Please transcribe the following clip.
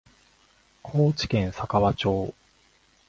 高知県佐川町